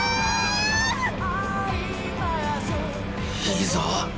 いいぞ！